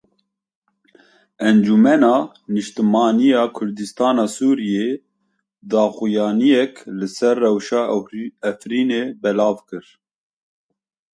Encumena Niştimanî ya Kurdistana Sûriyeyê daxuyaniyek li ser rewşa Efrînê belav kir.